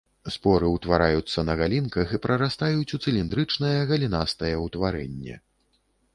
Споры ўтвараюцца на галінках і прарастаюць у цыліндрычнае галінастае ўтварэнне.